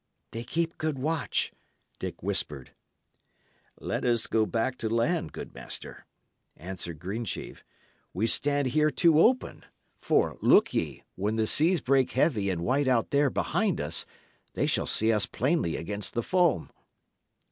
"They keep good watch," Dick whispered. "Let us back to land, good master," answered Greensheve. "We stand here too open; for, look ye, when the seas break heavy and white out there behind us, they shall see us plainly against the foam."